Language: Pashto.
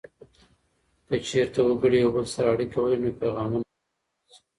که چیرته وګړي یو بل سره اړیکه ولري، نو پیغامونه به واضح سي.